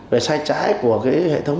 về sai trái của hệ thống